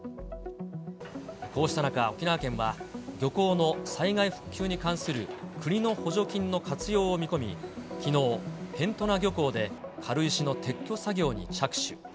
こうした中、沖縄県は漁港の災害復旧に関する国の補助金の活用を見込み、きのう、辺土名漁港で軽石の撤去作業に着手。